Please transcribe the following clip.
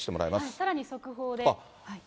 さらに速報で。